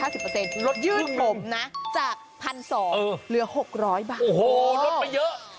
ลดยื่นผมนะจาก๑๒๐๐เหลือ๖๐๐บาทโอ้โหลดไปเยอะ